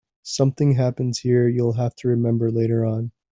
Something happens here you'll have to remember later on.